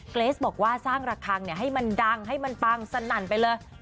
เกรสบอกว่าสร้างระคังให้มันดังให้มันปังสนั่นไปเลย